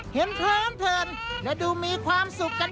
เห็นกระเทียมกองไว้ที่พื้น